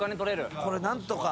これ何とか今年。